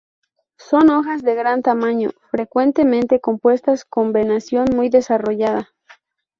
Son hojas de gran tamaño, frecuentemente compuestas, con venación muy desarrollada.